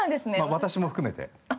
◆私も含めて。